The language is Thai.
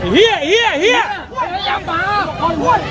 เฮียเฮียเฮีย